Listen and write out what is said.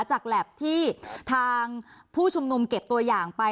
แล็บที่ทางผู้ชุมนุมเก็บตัวอย่างไป